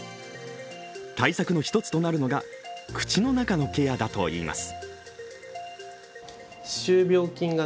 対策の１つとなるのが口の中のケアだといいます。